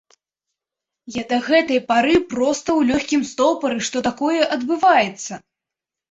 Я да гэтай пары, проста, у лёгкім стопары, што такое адбываецца.